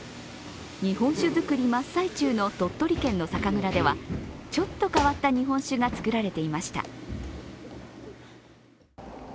日本酒造り真っ最中の鳥取県の酒蔵ではちょっと変わった日本酒が造られていました。